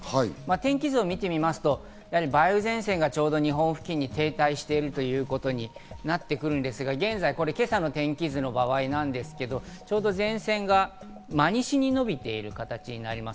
天気図を見てみますと梅雨前線が日本付近に停滞しているということになってくるんですが、これ、今朝の天気図の場合ですけど前線が真西に伸びている形になります。